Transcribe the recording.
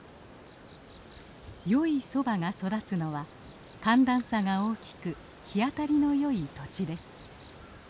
よいソバが育つのは寒暖差が大きく日当たりのよい土地です。